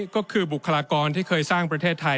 ก็คือบุคลากรที่เคยสร้างประเทศไทย